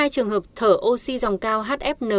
một mươi hai trường hợp thở oxy dòng cao hfn sáu